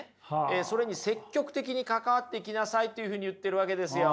それに積極的に関わっていきなさいというふうに言ってるわけですよ。